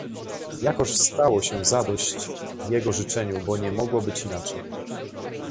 "Jakoż stało się zadość jego życzeniu, bo nie mogło być inaczej."